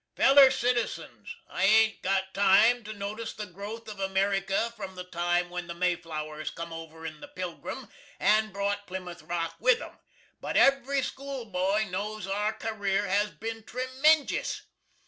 ] Feller Citizens I hain't got time to notis the growth of Ameriky frum the time when the Mayflowers cum over in the Pilgrim and brawt Plymouth Rock with them, but every skool boy nose our kareer has been tremenjis.